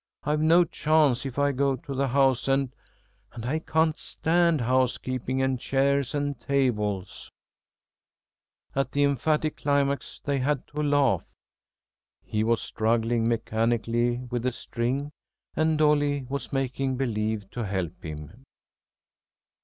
I've no chance if I go to the house, and and I can't stand housekeeping and chairs and tables " At the emphatic climax they had to laugh. He was struggling mechanically with the string, and Dolly was making believe to help him.